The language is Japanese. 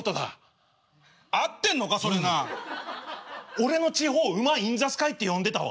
俺の地方馬インザスカイって呼んでたわ。